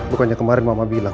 bukannya kemarin mama bilang